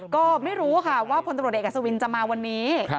ก็ไม่รู้ค่ะว่าพลตำรวจเอกอัศวินจะมาวันนี้